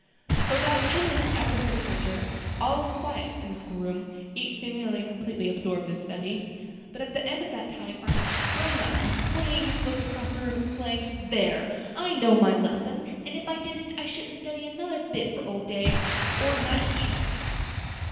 For about ten minutes after her departure, all was quiet in the school room, each seemingly completely absorbed in study. But at the end of that time Arthur sprang up, and flinging his book across the room, exclaimed, "There! I know my lesson; and if I didn't, I shouldn't study another bit for old Day, or Night either."